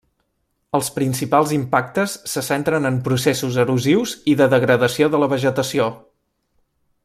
Els principals impactes se centren en processos erosius i de degradació de la vegetació.